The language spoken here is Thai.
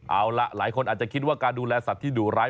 เอาล่ะหลายคนอาจจะคิดว่าการดูแลสัตว์ที่ดุร้าย